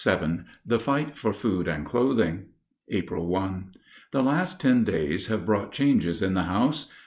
VII THE FIGHT FOR FOOD AND CLOTHING April 1. The last ten days have brought changes in the house.